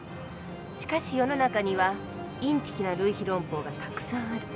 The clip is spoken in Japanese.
しかし世の中にはインチキな類比論法がたくさんある。